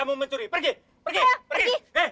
agar tidak spesi